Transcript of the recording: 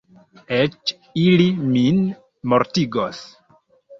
Eĉ ili min mortigos.